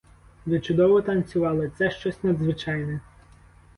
Ви чудово танцювали, це щось надзвичайне.